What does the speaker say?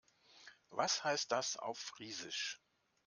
Was heißt das auf Friesisch?